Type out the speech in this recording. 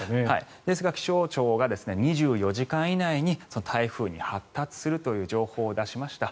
ですが気象庁が２４時間以内に台風に発達するという情報を出しました。